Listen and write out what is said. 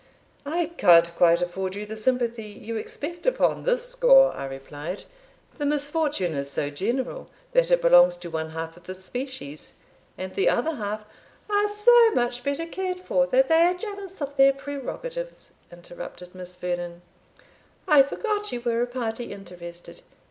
"I can't quite afford you the sympathy you expect upon this score," I replied; "the misfortune is so general, that it belongs to one half of the species; and the other half" "Are so much better cared for, that they are jealous of their prerogatives," interrupted Miss Vernon "I forgot you were a party interested.